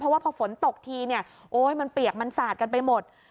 เพราะว่าพอฝนตกทีมันเปียกมันสาดกันไปหมด